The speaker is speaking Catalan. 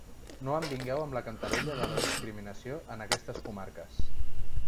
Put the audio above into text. No em vingueu amb la cantarella de la discriminació en aquestes comarques.